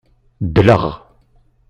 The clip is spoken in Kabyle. Dleɣ.